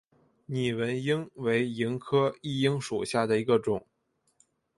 拟纹萤为萤科熠萤属下的一个种。